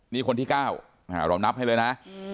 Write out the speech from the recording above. นี่คนที่๙เรานับให้เลยนะ